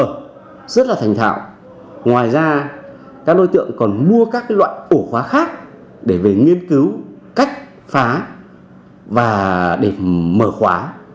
các đối tượng rất là thành thạo ngoài ra các đối tượng còn mua các loại ổ khóa khác để về nghiên cứu cách phá và để mở khóa